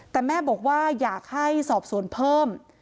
แต่แม่บอกว่าอยากให้สอบสวนเพิ่ม